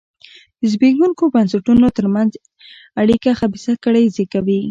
د زبېښونکو بنسټونو ترمنځ اړیکه خبیثه کړۍ زېږوي.